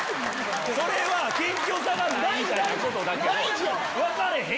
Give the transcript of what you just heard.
それは謙虚さがない！みたいなことだけど分かれへん。